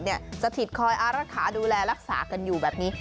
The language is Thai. สถิตคอยอารักษาดูแลรักษากันอยู่แบบนี้